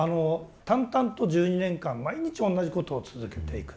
淡々と１２年間毎日同じことを続けていく。